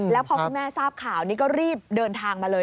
แล้วพอคุณแม่ทราบข่าวนี้ก็รีบเดินทางมาเลย